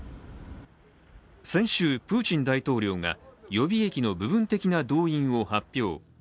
先週、プーチン大統領が予備役の部分的な動員を発表。